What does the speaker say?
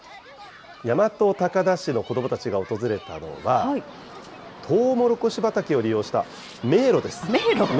大和高田市の子どもたちが訪れたのは、トウモロコシ畑を利用した迷路です。